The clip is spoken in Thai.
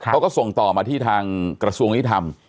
เขาก็ส่งต่อมาที่ทางกระทรวงยุทธรรม